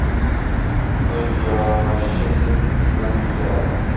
Kuz yoishsiz utmas tuylari